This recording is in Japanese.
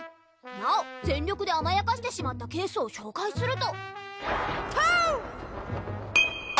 なお全力であまやかしてしまったケースを紹介するとトウ！